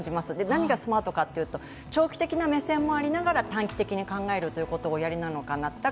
何がスマートかっていうと長期的な目線もありながら短期的にかんがえるということをおやりなのかなと。